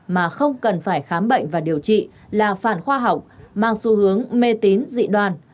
mà không cần phải khám bệnh và điều trị là phản khoa học mang xu hướng mê tín dị đoàn